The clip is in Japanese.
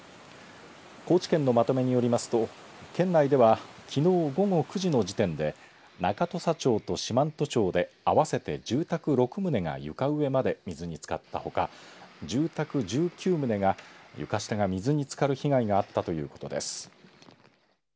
高知県のまとめによりますと県内ではきのう午後９時の時点で中土佐町と四万十町で合わせて住宅６棟が床上まで水につかったほか住宅１９棟が床下が水につかる被害があったということです。